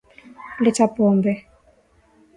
Leta Pombe